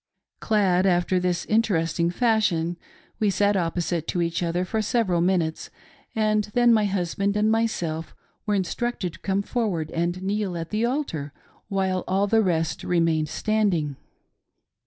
Clad after this interesting fashion, we sat opposite to each other for several minutes, and then niy husband and myself were instructed to come forward and kneel at the altar while all the rest remained standing.